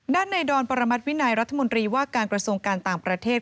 ด้านในดอนปรมัติวินัยรัฐมนตรีว่าการกระทรวงการต่างประเทศ